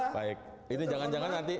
panjang komisi tiga